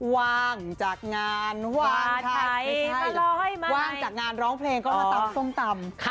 วางจากงานวางจากไม่ใช่วางจากงานร้องเพลงก็มาตั้งส้มตำเสิร์ฟ